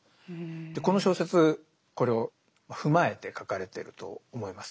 この小説これを踏まえて書かれてると思います。